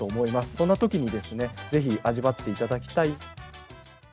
そんなときにぜひ、味わっていただきたい。